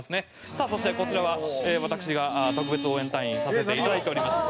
さあそしてこちらは私が特別応援隊員をさせていただいております